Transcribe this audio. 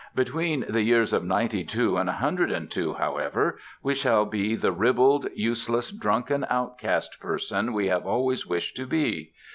Between the years of ninety two and a hundred and two, however, we shall be the ribald, useless, drunken outcast person we have always wished to be.